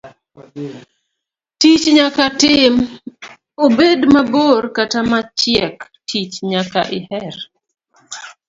Tich nyaka tim, obed mabor kata machiek, tich nyaka iher.